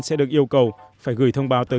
sẽ được yêu cầu phải gửi thông báo tới